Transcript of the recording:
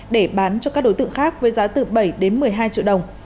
để bán cho các đối tượng khác với giá từ bảy đến một mươi hai triệu đồng